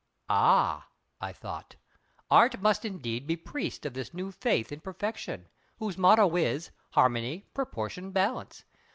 Ah! I thought Art must indeed be priest of this new faith in Perfection, whose motto is: "Harmony, Proportion, Balance."